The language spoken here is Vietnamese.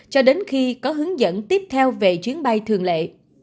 cho đến khi có hướng dẫn tiếp theo về chuyến bay thường lệ